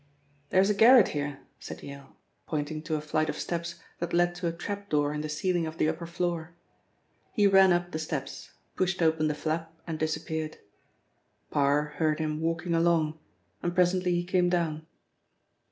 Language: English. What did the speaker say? "There is a garret here," said Yale, pointing to a flight of steps that led to a trap door in the ceiling of the upper floor. He ran up the steps, pushed open the flap and disappeared. Parr heard him walking along and presently he came down.